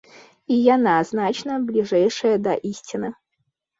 І яна значна бліжэйшая да ісціны.